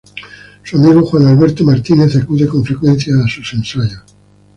Su amigo Juan Alberto Martínez acude con frecuencia a sus ensayos.